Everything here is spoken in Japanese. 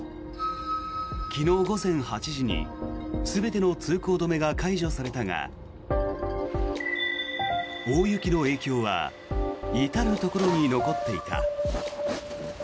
昨日午前８時に全ての通行止めが解除されたが大雪の影響は至るところに残っていた。